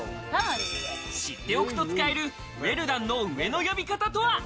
知っておくと使えるウェルダンの上の呼び方とは？